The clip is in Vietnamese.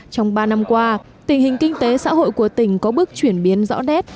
trong ba năm qua tình hình kinh tế xã hội của tỉnh có bước chuyển biến rõ nét